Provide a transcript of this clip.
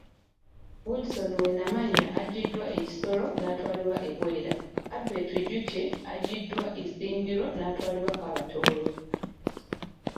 Wilson Wenamanya aggyiddwa e Kisoro naatwalibwa e Bwera, Abel Twijukye aggyiddwa Isingiro naatwalibwa e Kabatooro.